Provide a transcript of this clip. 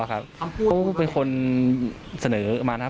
เขาก็เป็นคนเสนอมานะครับ